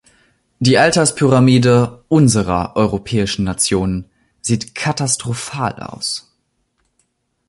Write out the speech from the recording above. Die Alterspyramide unserer europäischen Nationen sieht katastrophal aus.